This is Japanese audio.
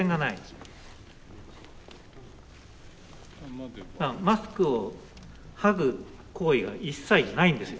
もうあのマスクを剥ぐ行為が一切ないんですよ